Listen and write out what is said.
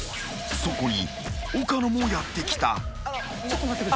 ［そこに岡野もやって来た］